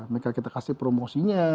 mereka memberikan promosi